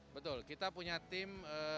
betul kita punya tim